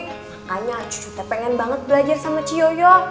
makanya cece pengen banget belajar sama ci yoyo